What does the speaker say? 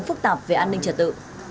phức tạp về an ninh trật tự